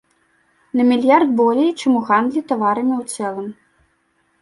На мільярд болей, чым у гандлі таварамі ў цэлым.